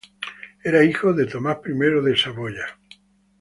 Era hijo de Tomás I de Saboya.